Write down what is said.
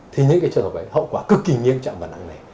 thì những trường hợp ấy hậu quả cực kỳ nghiêm trọng và nặng nẻ